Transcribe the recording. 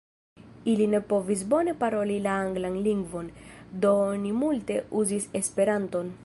Ili ne povis bone paroli la anglan lingvon, do oni multe uzis Esperanton.